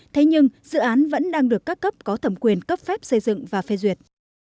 thế nhưng dự án vẫn đang được các cấp có thẩm quyền cấp phép xây dựng và phê duyệt